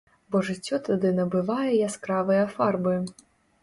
Бо жыццё тады набывае яскравыя фарбы.